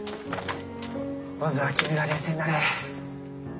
まずは君が冷静になれ！